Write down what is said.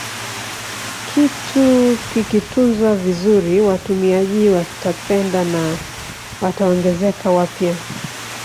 Kitu kikitunzwa vizuri watumiaji watapenda na wataongezeka wapya